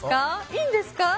いいんですか？